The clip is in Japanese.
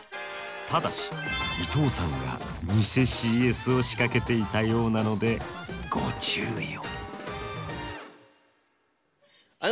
ただし伊藤さんが偽ＣＳを仕掛けていたようなのでご注意を。